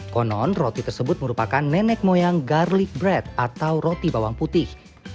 konon roti tersebut merupakan nenek moyang garlic bread atau roti bawang putih